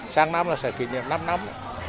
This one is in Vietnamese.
sáng năm là sẽ kỷ niệm năm năm